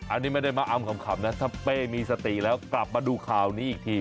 อันนี้ไม่ได้มาอำขำนะถ้าเป้มีสติแล้วกลับมาดูข่าวนี้อีกที